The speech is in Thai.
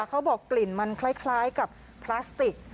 เขาบอกกลิ่นมันคล้ายกับพลาสติก